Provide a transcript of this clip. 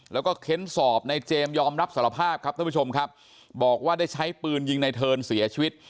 แล้วก็เค้นสอบในเจมส์ยอมรับสารภาพครับท่านผู้ชมครับบอกว่าได้ใช้ปืนยิงในเทิร์นเสียชีวิต